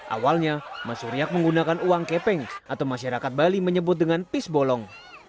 awalnya mesuryak menggunakan uang kepeng atau masyarakat bali menyebut dengan pisbolong